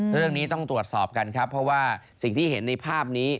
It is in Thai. เรื่องนี้ต้องตรวจสอบกันครับเพราะว่าสิ่งที่เห็นในภาพนี้